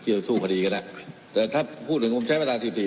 ที่ต้องสู้คดีกันนะแต่ถ้าพูดถึงกฎหมายสี่สี่